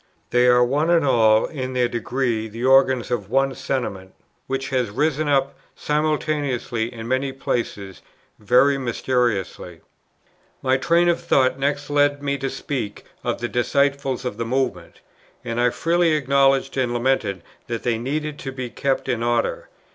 They are one and all in their degree the organs of one Sentiment, which has risen up simultaneously in many places very mysteriously." My train of thought next led me to speak of the disciples of the Movement, and I freely acknowledged and lamented that they needed to be kept in order.